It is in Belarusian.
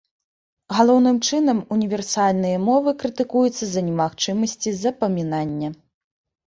Галоўным чынам, універсальныя мовы крытыкуюць з-за немагчымасці запамінання.